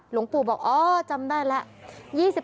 หลวงปู่บอกอ๋อจำได้แล้ว